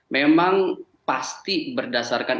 memang pasti berdasarkan